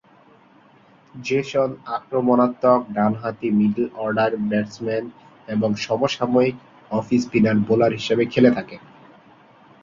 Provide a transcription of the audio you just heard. Jason আক্রমণাত্মক ডানহাতি middle order batsman এবং সম-সাময়িক অফ স্পিনার বোলার হিসেবে খেলে থাকেন।